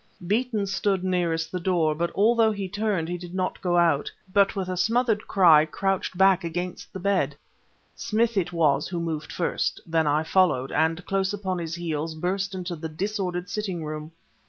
Beeton stood nearest to the door, but, although he turned, he did not go out, but with a smothered cry crouched back against the bed. Smith it was who moved first, then I followed, and close upon his heels burst into the disordered sitting room.